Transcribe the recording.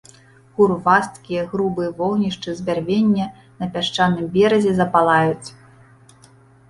Грувасткія грубыя вогнішчы з бярвення на пясчаным беразе запалаюць.